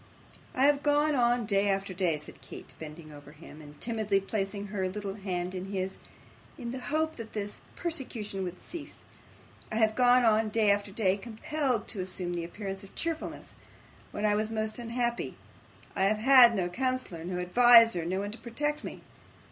'I have gone on day after day,' said Kate, bending over him, and timidly placing her little hand in his, 'in the hope that this persecution would cease; I have gone on day after day, compelled to assume the appearance of cheerfulness, when I was most unhappy. I have had no counsellor, no adviser, no one to protect me.